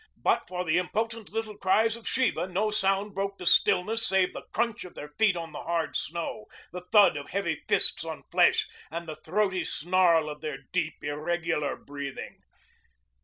But for the impotent little cries of Sheba no sound broke the stillness save the crunch of their feet on the hard snow, the thud of heavy fists on flesh, and the throaty snarl of their deep, irregular breathing.